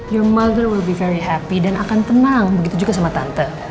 your mother well be very happy dan akan tenang begitu juga sama tante